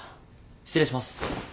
・失礼します。